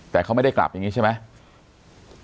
แต่เขาไม่ได้กลับอย่างนี้ใช่ไหม